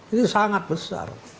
ini sangat besar